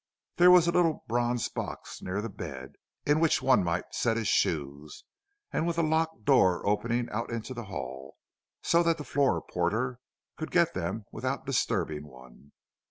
There was a little bronze box near the bed, in which one might set his shoes, and with a locked door opening out into the hall, so that the floor porter could get them without disturbing one.